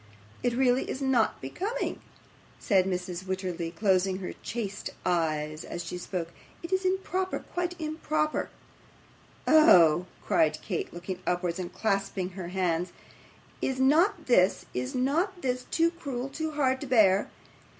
It really is not becoming,' said Mrs. Wititterly, closing her chaste eyes as she spoke; 'it is improper quite improper.' 'Oh!' cried Kate, looking upwards and clasping her hands; 'is not this, is not this, too cruel, too hard to bear!